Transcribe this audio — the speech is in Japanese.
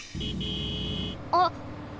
あっ。